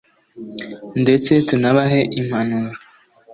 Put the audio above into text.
ndetse tunabahe impanuro